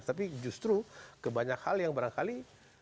tapi justru kebanyak hal yang barangkali